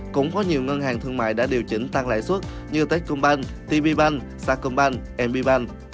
cũng có nhiều ngân hàng thương mại đã điều chỉnh tăng lãi suất như techcombank tbbank sacombank mbbank